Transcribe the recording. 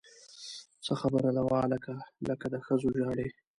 څه خبره ده وهلکه! لکه د ښځو ژاړې!